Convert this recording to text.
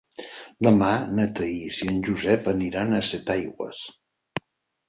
Demà na Thaís i en Josep aniran a Setaigües.